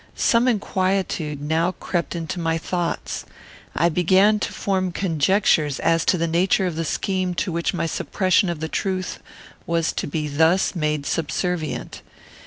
Some inquietude now crept into my thoughts. I began to form conjectures as to the nature of the scheme to which my suppression of the truth was to be thus made subservient.